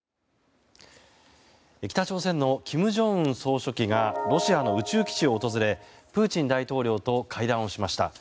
北朝鮮の金正恩総書記がロシアの宇宙基地を訪れプーチン大統領と会談をしました。